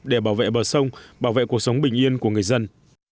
để bảo vệ bờ sông bảo vệ cuộc sống bình yên của người dân